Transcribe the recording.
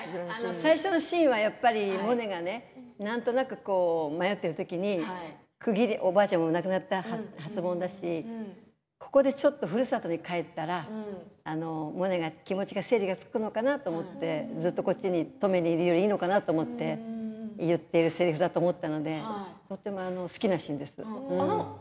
最初のシーンはモネが、なんとなく迷っているときにおばあちゃんも亡くなった初盆だしここでちょっとふるさとに帰ったらモネが気持ちの整理がつくのかなと思って、ずっと登米にいるよりいいのかなと思って言っているせりふだと思ったのでとても好きなシーンです。